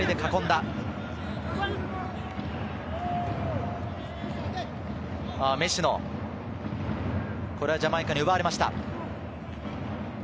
食野、これはジャマイカに奪われました。